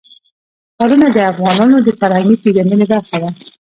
ښارونه د افغانانو د فرهنګي پیژندنې برخه ده.